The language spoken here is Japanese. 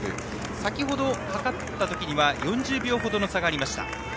先ほど計ったときは４０秒ほど差がありました。